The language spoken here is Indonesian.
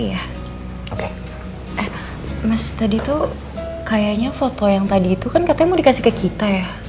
eh mas tadi tuh kayaknya foto yang tadi itu kan katanya mau dikasih ke kita ya